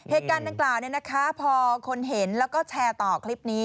เหตุการณ์ดังกล่าวพอคนเห็นแล้วก็แชร์ต่อคลิปนี้